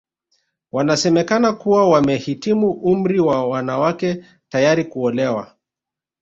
Wanasemekana kuwa wamehitimu umri wa wanawake tayari kuolewa